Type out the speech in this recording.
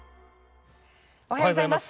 おはようございます。